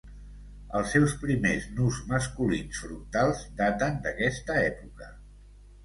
Els seus primers nus masculins, frontals, daten d'aquesta època.